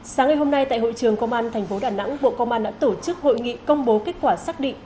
sáng ngày hôm nay tại hội trường công an thành phố đà nẵng bộ công an đã tổ chức hội nghị công bố kết quả xác định